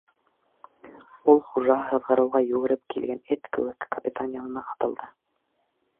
Ул хужаһы һыҙғырыуға йүгереп килгән эт кеүек капитан янына атылды: